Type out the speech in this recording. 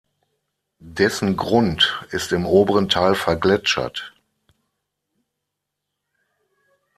Dessen Grund ist im oberen Teil vergletschert.